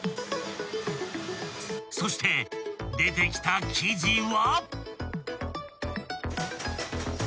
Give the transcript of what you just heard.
［そして出てきた生地は］